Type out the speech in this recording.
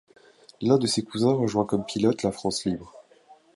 L’un de ses cousins rejoint comme pilote la France libre.